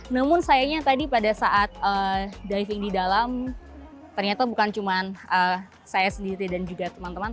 namun sayangnya pada saat saya menarik di dalam ternyata bukan hanya saya sendiri dan teman teman